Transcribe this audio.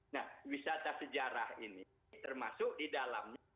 nah wisata sejarah ini termasuk di dalamnya